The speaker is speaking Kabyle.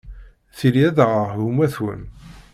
Tili ad aɣeɣ gma-twen.